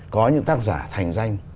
có những tác giả thành danh